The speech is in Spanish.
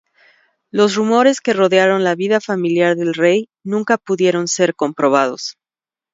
Los rumores que rodearon la vida familiar del rey nunca pudieron ser comprobados.